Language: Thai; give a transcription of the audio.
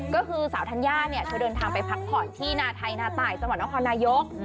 ก็คือสาวธัญญาเนี่ยเธอเดินทางไปพักผ่อนที่นาไทยนาตายจังหวัดนครนายก